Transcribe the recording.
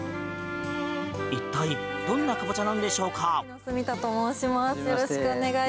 一体どんなカボチャなんでしょうか？